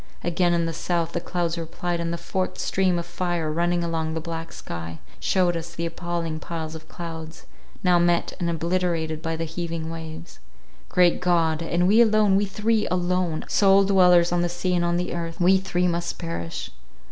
Again in the south, the clouds replied, and the forked stream of fire running along the black sky, shewed us the appalling piles of clouds, now met and obliterated by the heaving waves. Great God! And we alone—we three— alone—alone—sole dwellers on the sea and on the earth, we three must perish!